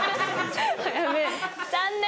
残念。